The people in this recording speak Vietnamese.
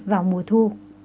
vào mùa thu